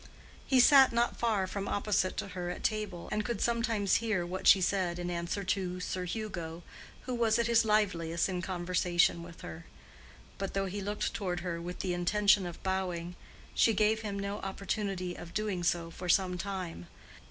He sat not far from opposite to her at table, and could sometimes hear what she said in answer to Sir Hugo, who was at his liveliest in conversation with her; but though he looked toward her with the intention of bowing, she gave him no opportunity of doing so for some time.